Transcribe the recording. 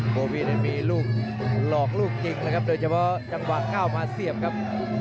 โบวี่นั้นมีลูกหลอกลูกจริงนะครับโดยเฉพาะจังหวะก้าวมาเสียบครับ